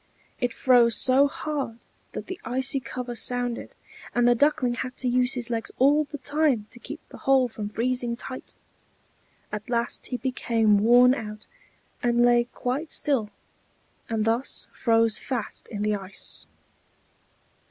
It froze so hard that the icy cover sounded; and the Duckling had to use his legs all the time to keep the hole from freezing tight. At last he became worn out, and lay quite still, and thus froze fast in the ice.